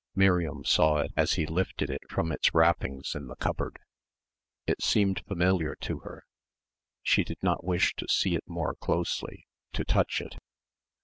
Miriam saw it as he lifted it from its wrappings in the cupboard. It seemed familiar to her. She did not wish to see it more closely, to touch it.